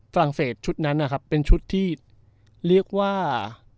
ฝรัศชุดนั้นนะครับเป็นชุดที่เรียกว่า